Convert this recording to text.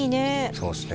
そうですね